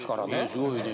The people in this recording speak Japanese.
すごいね。